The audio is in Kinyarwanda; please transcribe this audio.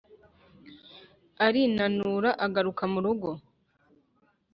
Arinanura agaruka mu rugo.